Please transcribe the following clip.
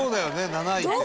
７位ってね。